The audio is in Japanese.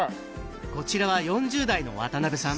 こちらは４０代の渡邊さん